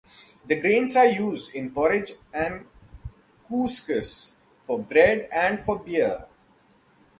The grains are used in porridge and couscous, for bread, and for beer.